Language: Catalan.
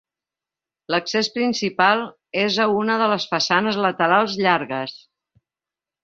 L'accés principal és a una de les façanes laterals llargues.